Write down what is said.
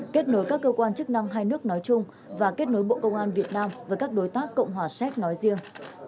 kết nối các cơ quan chức năng hai nước nói chung và kết nối bộ công an việt nam với các đối tác cộng hòa séc nói riêng